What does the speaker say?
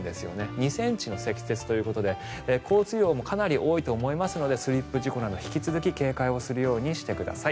２ｃｍの積雪ということで交通量もかなり多いと思いますのでスリップ事故など引き続き警戒をするようにしてください。